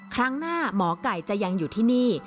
ครั้งหน้าหมอไก่จะยังอยู่ที่นี่